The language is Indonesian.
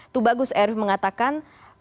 tubagus erif mengatakan